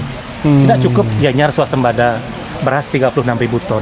tidak cukup gianyar suasembada beras tiga puluh enam ton